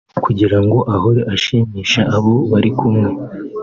Kugira ngo ahore ashimisha abo bari kumwe